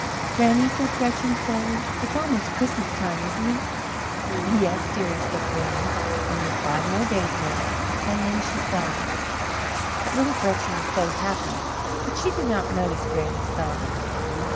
"Granny," said Gretchen slowly, "it's almost Christmas time, isn't it?" "Yes, dearie," said Granny, "only five more days now," and then she sighed, but little Gretchen was so happy that she did not notice Granny's sigh.